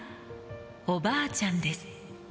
おばあちゃんです。